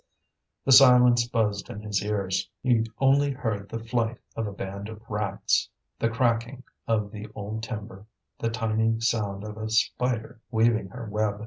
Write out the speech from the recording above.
The silence buzzed in his ears, he only heard the flight of a band of rats, the cracking of the old timber, the tiny sound of a spider weaving her web.